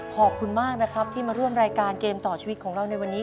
ขอบคุณมากนะครับที่มาร่วมรายการเกมต่อชีวิตของเราในวันนี้